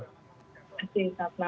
terima kasih selamat malam